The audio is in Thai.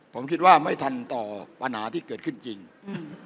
ผมคิดว่าไม่ทันต่อปัญหาที่เกิดขึ้นจริงอืม